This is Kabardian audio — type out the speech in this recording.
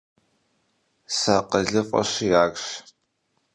СыакъылыфӀэщи, арщ.